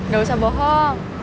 gak usah bohong